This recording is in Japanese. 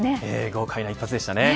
豪快な一発でしたね。